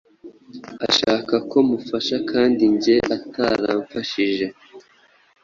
Ashaka ko mufasha kandi njye ataramfashije